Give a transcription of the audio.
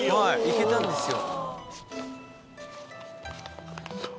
行けたんですよ。